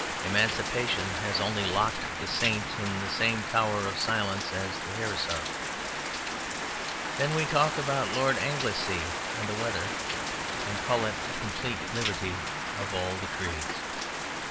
Emancipation has only locked the saint in the same tower of silence as the heresiarch. Then we talk about Lord Anglesey and the weather, and call it the complete liberty of all the creeds.